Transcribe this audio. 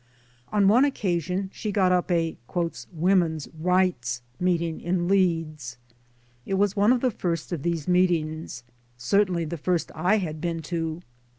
On one occasion she got up a " Women's Rights " Meeting in Leeds. It was one of the first of these meetings certainly the first I had been to.